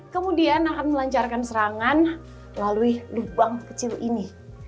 kemudian akan melancarkan serangan melalui lubang kecil ini